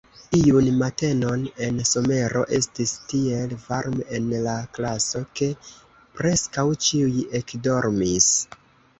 Iun matenon en somero, estis tiel varme en la klaso, ke preskaŭ ĉiuj ekdormis.